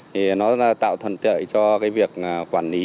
thì nó tạo thuận tiện cho cái việc quản lý